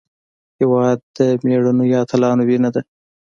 هېواد د مېړنیو اتلانو وینه ده.